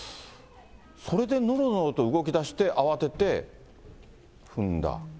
それでのろのろと動きだして、慌てて踏んだ。